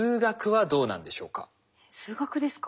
数学ですか？